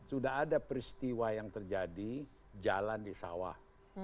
sudah ada peristiwa yang terjadi jalan di sawah